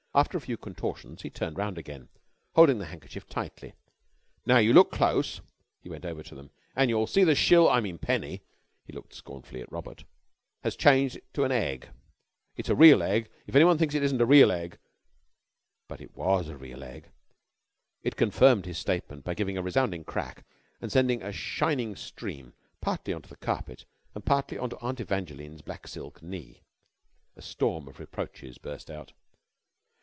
After a few contortions he turned round again, holding the handkerchief tightly. "Now, you look close," he went over to them "an' you'll see the shil I mean, penny," he looked scornfully at Robert, "has changed to an egg. It's a real egg. If anyone thinks it isn't a real egg " But it was a real egg. It confirmed his statement by giving a resounding crack and sending a shining stream partly on to the carpet and partly on to Aunt Evangeline's black silk knee. A storm of reproaches burst out.